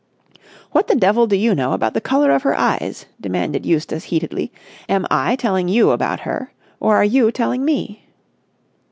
"What the devil do you know about the colour of her eyes?" demanded Eustace heatedly. "Am I telling you about her, or are you telling me?"